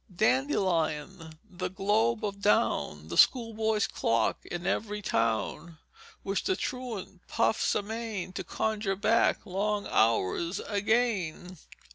"Dandelion, the globe of down, The schoolboy's clock in every town, Which the truant puffs amain To conjure back long hours again."